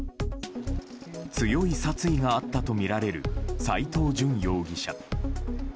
強い殺意があったとみられる斎藤淳容疑者。